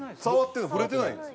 触ってない。